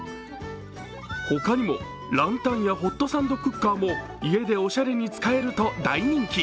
他にもランタンやホットサンドクッカーも家でおしゃれに使えると大人気。